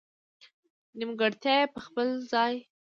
نېمګړتیا یې په خپل ځای.